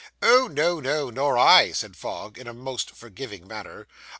'Oh, no, no; nor I,' said Fogg, in a most forgiving manner.